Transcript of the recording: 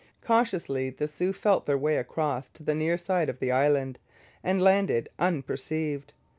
Cautiously the Sioux felt their way across to the near side of the island, and landed unperceived.